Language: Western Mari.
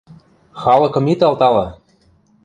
Халыкым ит алталы!